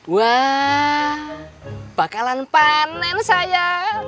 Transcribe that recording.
wah bakalan panen saya